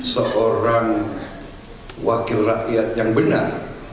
seorang wakil rakyat yang benar